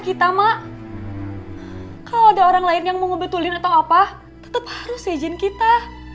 kalau ada orang lain yang mau ngebetulin atau apa tetep harus izin kita